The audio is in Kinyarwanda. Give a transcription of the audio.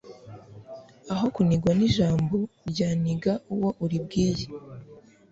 aho kuniganwa ijambo ryaniga uwo uribwiye